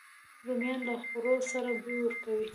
رومیان له خوړو سره بوی ورکوي